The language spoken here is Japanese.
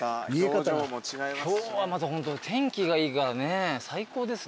今日は天気がいいからね最高ですね。